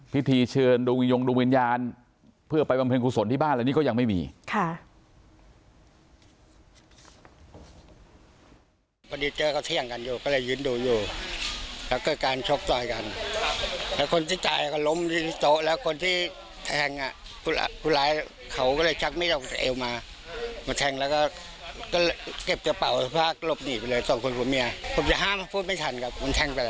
พอดีเจอเขาเที่ยงกันอยู่ก็เลยยืนดูอยู่แล้วก็การชกต่อยกันแล้วคนที่จ่ายก็ล้มที่โต๊ะแล้วคนที่แทงอ่ะคุณอาคุณร้ายเขาก็เลยชักไม่ได้เอาเอวมามาแทงแล้วก็ก็เก็บเจ้าเปล่าผ้ากลบหนีไปเลยส่องคุณผู้เมียผมจะห้ามพูดไม่ทันกับคุณแทงไปแล้ว